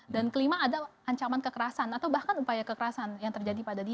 dan kelima ada ancaman kekerasan atau bahkan upaya kekerasan yang terjadi pada dia